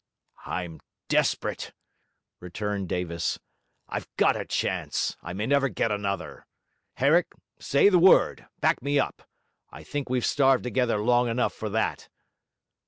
'I'm desperate,' returned Davis. 'I've got a chance; I may never get another. Herrick, say the word; back me up; I think we've starved together long enough for that.'